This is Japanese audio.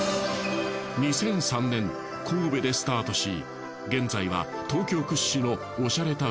２００３年神戸でスタートし現在は東京屈指のおしゃれ